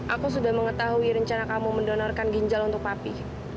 aku sudah mengetahui rencana kamu mendonorkan ginjal untuk papi